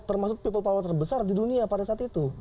termasuk people power terbesar di dunia pada saat itu